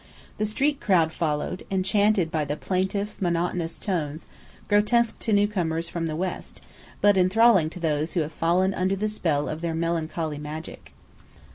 The street crowd followed, enchanted by the plaintive, monotonous notes, grotesque to newcomers from the west, but enthralling to those who have fallen under the spell of their melancholy magic.